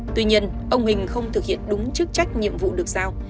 tuy nhiên ông hình không thực hiện đúng chức trách nhiệm vụ được giao